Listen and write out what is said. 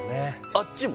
あっちも？